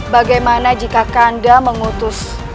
bagaimana jika kanda mengutus